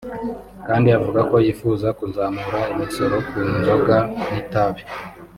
kandi avuga ko yifuza kuzamura imisoro ku nzoga n’itabi